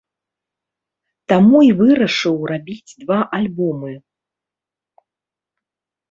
Таму і вырашыў рабіць два альбомы.